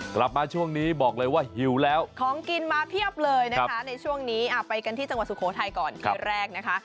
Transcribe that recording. กลับมาช่วงนี้บอกเลยว่าหิวแล้วของกินมาเพียบเลยนะคะในช่วงนี้ไปกันที่จังหวัดสุโขทัยก่อนที่แรกนะคะ